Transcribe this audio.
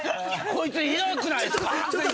こいつひどくないっすか？